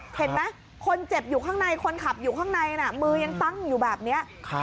เห็นไหมคนเจ็บอยู่ข้างในคนขับอยู่ข้างในมือยังตั้งอยู่แบบนี้